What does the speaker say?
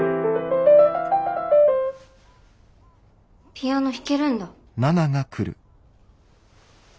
ピアノ弾けるんだ。